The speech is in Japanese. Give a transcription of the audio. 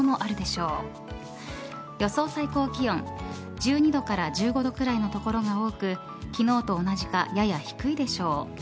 １２度から１５度くらいの所が多く昨日と同じかやや低いでしょう。